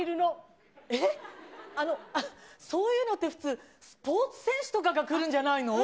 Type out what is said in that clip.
あの、そういうのって普通、スポーツ選手とかが来るんじゃないの？